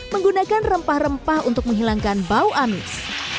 menggunakan rempah rempah untuk menghilangkan bau amis